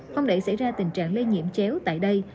không để xảy ra tình trạng lây nhiễm chéo tại đây